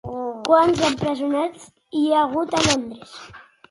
Quants empresonats hi ha hagut a Londres?